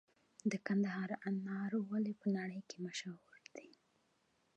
د کندهار انار ولې په نړۍ کې مشهور دي؟